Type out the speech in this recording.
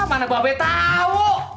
mana gua abe tau